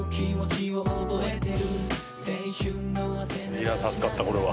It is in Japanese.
いや助かったこれは。